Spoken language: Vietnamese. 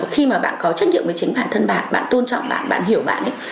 khi mà bạn có trách nhiệm với chính bản thân bạn bạn tôn trọng bạn bạn hiểu bạn ấy